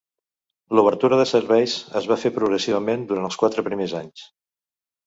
L'obertura de serveis es va fer progressivament durant els quatre primers anys.